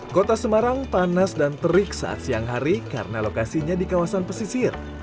kota semarang panas dan terik saat siang hari karena lokasinya di kawasan pesisir